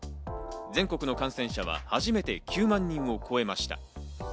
全国の感染者は初めて９万人を超えました。